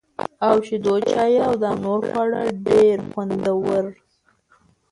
او شېدو چای او دانور خواړه ډېره خوندوره